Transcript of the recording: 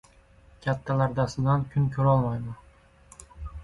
Kattalar dastidan kun ko‘rolmayman.